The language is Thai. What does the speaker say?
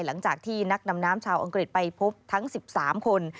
หลังจากที่นักดำน้ำชาวอังกฤษไปพบทั้ง๑๓คน